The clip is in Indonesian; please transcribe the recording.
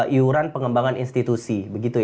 iuran pengembangan institusi begitu ya